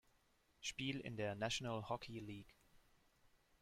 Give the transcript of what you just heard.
Spiel in der National Hockey League.